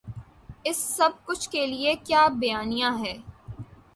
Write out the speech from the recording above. اس سب کچھ کے لیے کیا بیانیہ ہے۔